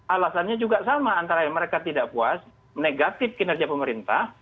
alasannya juga sama antara mereka tidak puas negatif kinerja pemerintah